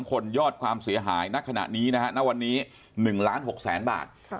คนยอดความเสียหายณขณะนี้นะฮะณวันนี้๑ล้าน๖แสนบาท